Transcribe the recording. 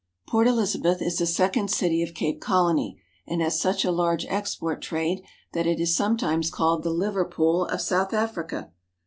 Port Elizabeth is the second city of Cape Colony and has such a large export trade that it is sometimes called the Liverpool of South Africa.